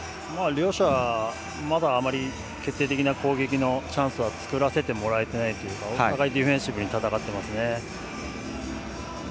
両者、まだあまり決定的な攻撃のチャンスは作らせてもらえていないというかお互い、ディフェンシブに戦っていますね。